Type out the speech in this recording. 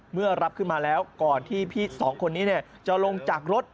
เมื่อรับขึ้นมาแล้วก่อนที่พี่สองคนนี้จะลงจากรถ